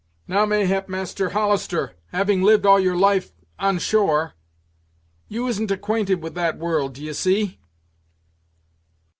Now mayhap, Master Hollister, having lived all your life on shore, you isn't acquainted that the world, d'ye see."